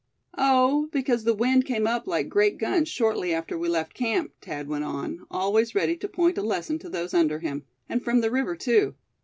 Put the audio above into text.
"Oh! because the wind came up like great guns shortly after we left camp," Thad went on, always ready to point a lesson to those under him; "and from the river, too.